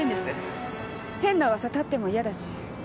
変な噂立っても嫌だし。